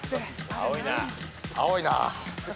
青いな。